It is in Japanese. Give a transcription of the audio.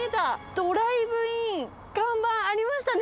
ドライブイン、看板ありましたね。